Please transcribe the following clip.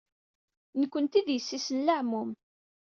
Nekkenti d yessi-s n leɛmum.